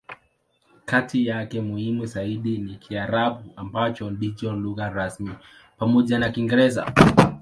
Kati yake, muhimu zaidi ni Kiarabu, ambacho ndicho lugha rasmi pamoja na Kiingereza.